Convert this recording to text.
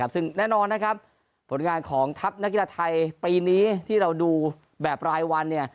ซึ่งแน่นอนนะครับผลงานของทัพนักกีฬาไทยปีนี้ที่เราดูแบบรายวัน